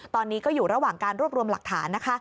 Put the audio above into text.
ตอนนี้ก็อยู่ระหว่างการรวบรวมหลักฐานนะคะ